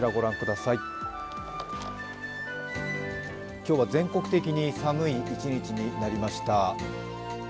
今日は全国的に寒い一日になりました。